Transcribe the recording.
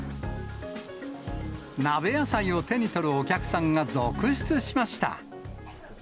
鍋野菜を手に取るお客さんが続出しました。